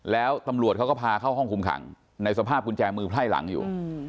แล้วตำรวจเขาก็พาเข้าห้องคุมขังในสภาพกุญแจมือไพร่หลังอยู่